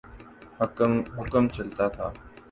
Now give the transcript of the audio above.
حکم چلتا تھا۔